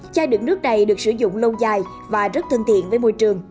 chai đựng nước này được sử dụng lâu dài và rất thân thiện với môi trường